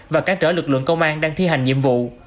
và cản trở lực lượng công an đang thi hành nhiệm vụ